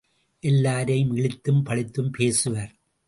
எல்லாரையும் இழித்தும் பழித்தும் பேசுவர்.